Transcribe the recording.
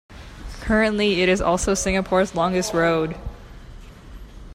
Currently, it is also Singapore's longest road.